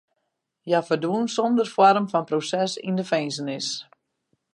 Hja ferdwûn sonder foarm fan proses yn de finzenis.